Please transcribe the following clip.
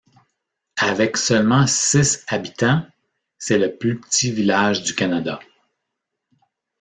Avec seulement six habitants, c';est le plus petit village du Canada.